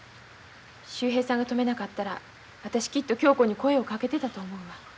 秀平さんが止めなかったら私きっと恭子に声をかけてたと思うわ。